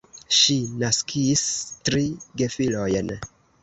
Ŝi naskis tri gefilojn.